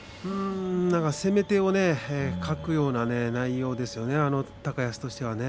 攻め手を欠くような内容ですね、高安としては。